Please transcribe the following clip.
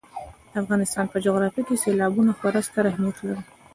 د افغانستان په جغرافیه کې سیلابونه خورا ستر اهمیت لري.